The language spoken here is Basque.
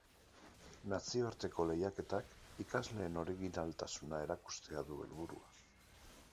Nazioarteko lehiaketak ikasleen originaltasuna erakustea du helburua.